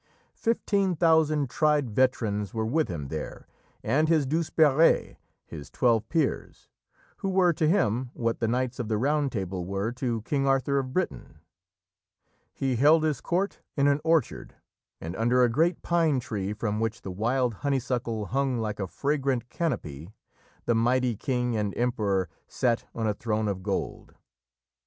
Fifteen thousand tried veterans were with him there, and his "Douzeperes" his Twelve Peers who were to him what the Knights of the Round Table were to King Arthur of Britain. He held his court in an orchard, and under a great pine tree from which the wild honeysuckle hung like a fragrant canopy, the mighty king and emperor sat on a throne of gold.